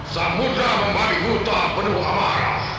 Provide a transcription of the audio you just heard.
samudra membali huta penuh amarah